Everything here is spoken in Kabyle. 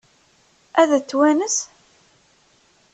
Ad t-twanes?